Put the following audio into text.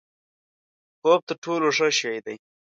خوب تر ټولو ښه شی دی؛